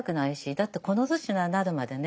だってこの年になるまでね